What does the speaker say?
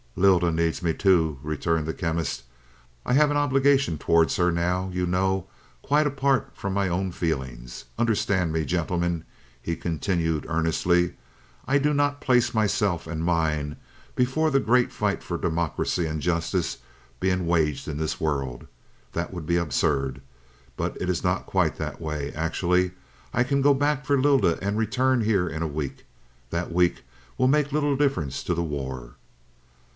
"Lylda needs me, too," returned the Chemist. "I have an obligation towards her now, you know, quite apart from my own feelings. Understand me, gentlemen," he continued earnestly, "I do not place myself and mine before the great fight for democracy and justice being waged in this world. That would be absurd. But it is not quite that way, actually; I can go back for Lylda and return here in a week. That week will make little difference to the war.